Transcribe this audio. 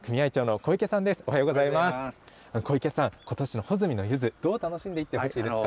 小池さん、ことしの穂積のゆず、どう楽しんでいってほしいですか。